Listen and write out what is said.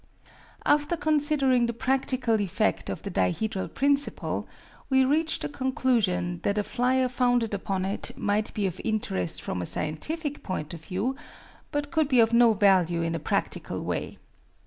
After considering the practical effect of the dihedral principle, we reached the conclusion that a flyer founded upon it might be of interest from a scientific point of view, but could be of no value in a practical way.